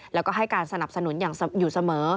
แล้วก็ให้การสนับสนุนอย่างอยู่เสมอ